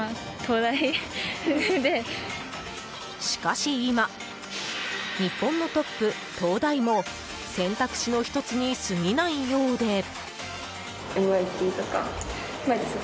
しかし、今日本のトップ・東大も選択肢の１つに過ぎないようで。